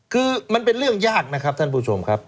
คือมันเป็นเรื่องยากนะครับท่านผู้ชมครับ